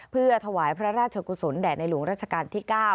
เพื่อถวายพระราชกุศลแด่ในหลวงราชการที่๙